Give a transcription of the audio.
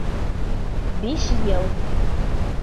Биш йыл!..